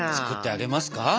作ってあげますか？